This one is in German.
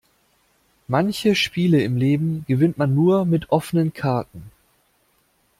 Manche Spiele im Leben gewinnt man nur mit offenen Karten.